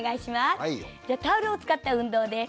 じゃタオルを使った運動です。